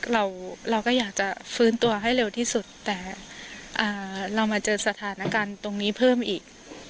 เราก็อยากจะฟื้นตัวให้เร็วที่สุดแต่เรามาเจอสถานการณ์ตรงนี้เพิ่มอีก